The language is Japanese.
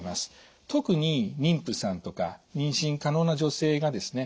特に妊婦さんとか妊娠可能な女性がですね